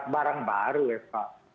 barang baru ya pak